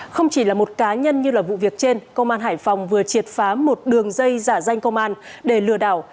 không chỉ là một cá nhân như vụ việc trên công an hải phòng vừa triệt phá một đường dây giả danh công an để lừa đảo